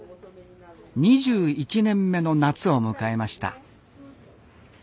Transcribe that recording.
２１年目の夏を迎えました。